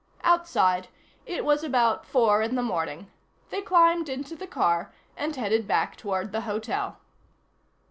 Outside, it was about four in the morning. They climbed into the car and headed back toward the hotel.